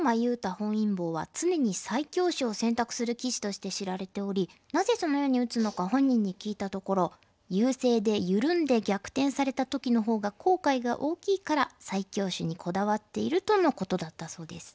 本因坊は常に最強手を選択する棋士として知られておりなぜそのように打つのか本人に聞いたところ優勢で緩んで逆転された時のほうが後悔が大きいから最強手にこだわっているとのことだったそうです。